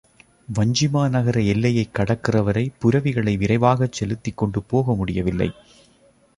வஞ்சிமா நகர எல்லையைக் கடக்கிறவரை புரவிகளை விரைவாகச் செலுத்திக் கொண்டு போகமுடியவில்லை.